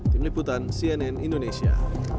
tim liputan cnn indonesia